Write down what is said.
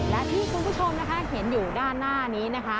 และที่คุณผู้ชมนะคะเห็นอยู่ด้านหน้านี้นะคะ